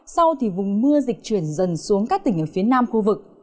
sau thì vùng mưa dịch chuyển dần xuống các tỉnh ở phía nam khu vực